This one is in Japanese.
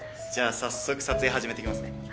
じゃあ早速撮影始めていきますね。